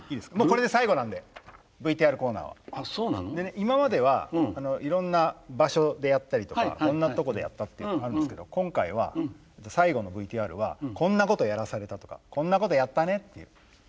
今まではいろんな場所でやったりとかこんなとこでやったっていうのがあるんですけど今回は最後のＶＴＲはこんなことやらされたとかこんなことやったねっていう。